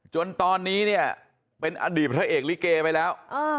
จนตอนนี้เนี่ยเป็นอดีตพระเอกลิเกไปแล้ว